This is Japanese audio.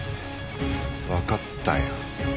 分かったよ。